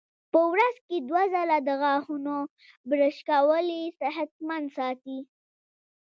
په ورځ کې دوه ځله د غاښونو برش کول یې صحتمند ساتي.